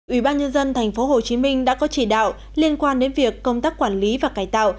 ủy ban nhân dân tp hcm đã có chỉ đạo liên quan đến việc công tác quản lý và cải tạo